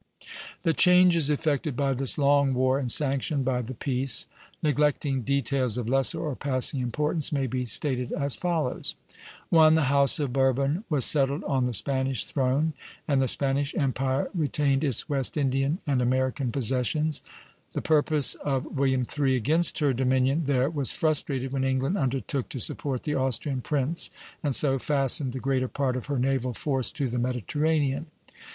The changes effected by this long war and sanctioned by the peace, neglecting details of lesser or passing importance, may be stated as follows: 1. The House of Bourbon was settled on the Spanish throne, and the Spanish empire retained its West Indian and American possessions; the purpose of William III. against her dominion there was frustrated when England undertook to support the Austrian prince, and so fastened the greater part of her naval force to the Mediterranean.